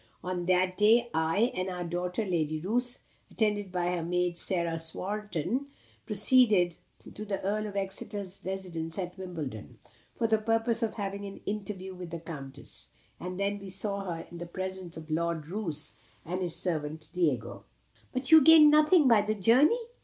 On that day I and our daughter, Lady Roos, attended by her maid, Sarah Swarton, proceeded to the Earl of Exeter's residence at Wimbledon, for the purpose of having an interview with the Countess, and we then saw her in the presence of Lord Roos and his servant Diego." "But you gained nothing by the journey?"